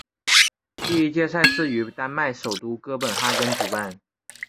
第一届赛事于丹麦首都哥本哈根主办。